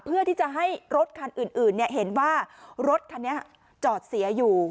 เพื่อที่จะให้รถคันอื่นเห็นว่ารถคันนี้จอดเสียอยู่